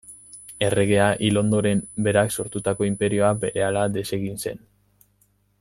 Erregea hil ondoren, berak sortutako inperioa berehala desegin zen.